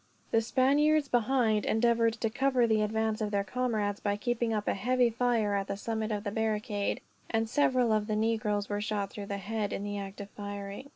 The Spaniards behind endeavored to cover the advance of their comrades, by keeping up a heavy fire at the summit of the barricade; and several of the negroes were shot through the head, in the act of firing.